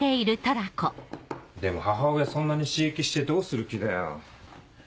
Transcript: でも母親そんなに刺激してどうする気だよ？